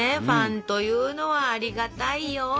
ファンというのはありがたいよ。